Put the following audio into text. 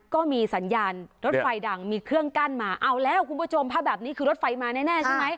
ก็มีสัญญาณรถไฟดังมีเครื่องกั้นมาเอาแล้วคุณผู้ชมภาพแบบนี้คือรถไฟมาแน่ใช่ไหม